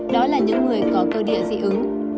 đó là những người có cơ địa dị ứng